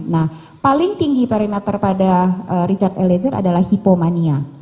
nah paling tinggi parameter pada richard eliezer adalah hipomania